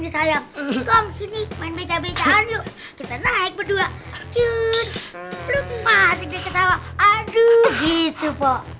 disayang dikong sini main beca becaan yuk kita naik berdua cun masuk ke sawah aduh gitu pok